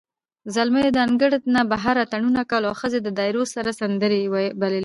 زلمیو د انګړ نه بهر اتڼونه کول، او ښځو د دایرو سره سندرې بللې.